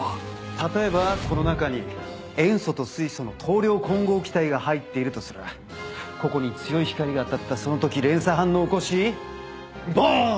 例えばこの中に塩素と水素の当量混合気体が入っているとするここに強い光が当たったその時連鎖反応を起こしボン！